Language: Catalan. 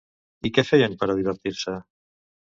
I què feien per a divertir-se?